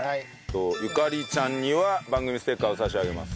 ゆかりちゃんには番組ステッカーを差し上げます。